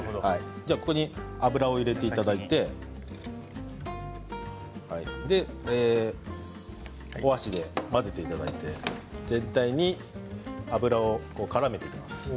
じゃあ、ここに油を入れていただいてお箸で混ぜていただいて全体に油をからめていきます。